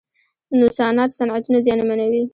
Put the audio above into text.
نوسانات صنعتونه زیانمنوي.